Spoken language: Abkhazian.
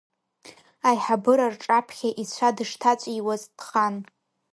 Аиҳабыра рҿаԥхьа ицәа дышҭаҵәиуаз, дхан…